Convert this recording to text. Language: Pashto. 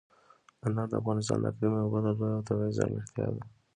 انار د افغانستان د اقلیم یوه بله لویه او طبیعي ځانګړتیا ده.